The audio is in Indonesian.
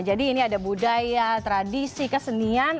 jadi ini ada budaya tradisi kesenian